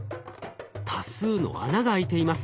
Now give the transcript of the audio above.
多数の穴が開いています。